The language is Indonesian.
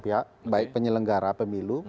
pihak baik penyelenggara pemilu